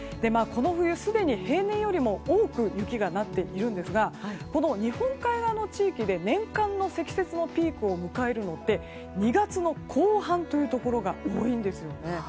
この冬、すでに平年よりも雪が多くなっているんですがこの日本海側の地域で年間の積雪のピークを迎えるのって、２月の後半というところが多いんですよね。